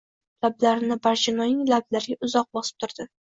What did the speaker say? Lablarini Barchinoyning lablariga uzoq bosib turdi.